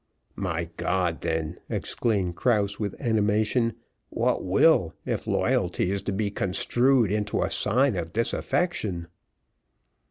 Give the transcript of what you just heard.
"My God! then," exclaimed Krause, with animation, "what will, if loyalty is to be construed into a sign of disaffection?"